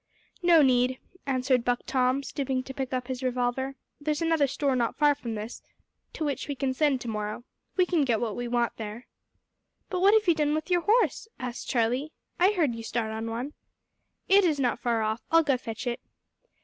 "No need," answered Buck Tom, stooping to pick up his revolver. "There's another store not far from this, to which we can send to morrow. We can get what we want there." "But what have you done with your horse?" asked Charlie; "I heard you start on one." "It is not far off. I'll go fetch it."